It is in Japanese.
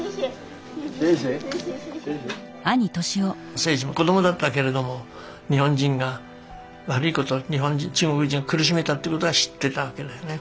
征爾も子供だったけれども日本人が悪いこと中国人を苦しめたってことは知ってたわけだよね。